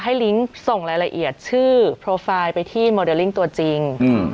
ลิงก์ส่งรายละเอียดชื่อโปรไฟล์ไปที่โมเดลลิ่งตัวจริง